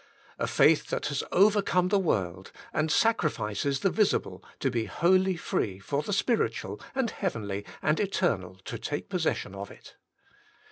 A faith that has overcome the world, and sacrifices the visible to be wholly free for the spiritual and heavenly and eternal to take possession of it.